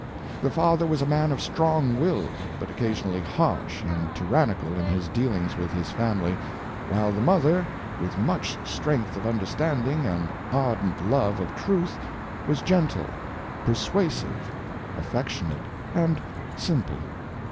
The father was a man of strong will, but occa sionally harsh and tyrannical in his dealings with his family, while the mother, with much strength of under standing and ardent love of truth, was gentle, persua sive, affectionate and simple.